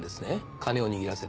金を握らせて。